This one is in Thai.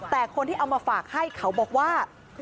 แต่คนที่เอามาฝากให้เขาบอกว่า